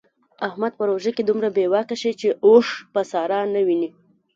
احمد په روژه کې دومره بې واکه شي چې اوښ په ساره نه ویني.